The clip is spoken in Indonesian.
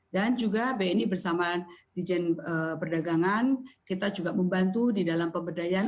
dan juga bni bersama dijen perdagangan kita juga membantu di dalam pembedaian